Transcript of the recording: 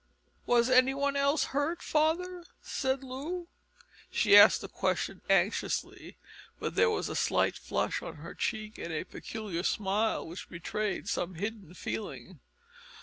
"Was any one else hurt, father?" said Loo. She asked the question anxiously, but there was a slight flush on her cheek and a peculiar smile which betrayed some hidden feeling.